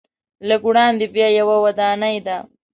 لږ وړاندې بیا یوه ودانۍ ده.